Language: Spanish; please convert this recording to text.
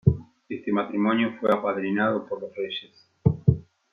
Este matrimonio fue apadrinado por los reyes.